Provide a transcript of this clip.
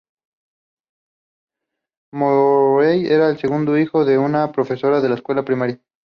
Morell era el segundo hijo de un profesor de escuela primaria.